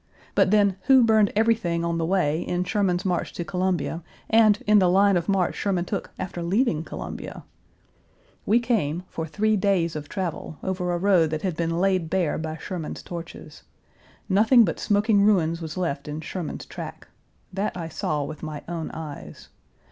But then who burned everything on the way in Sherman's march to Columbia, and in the line of march Sherman took after leaving Columbia? We came, for three days of travel, over a road that had been laid bare by Sherman's torches. Nothing but smoking ruins was left in Sherman's track. That I saw with my own eyes.